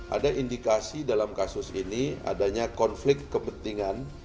ada indikasi dalam kasus ini adanya konflik kepentingan